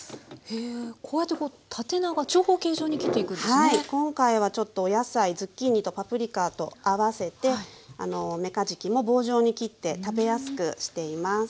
はい今回はちょっとお野菜ズッキーニとパプリカと合わせてめかじきも棒状に切って食べやすくしています。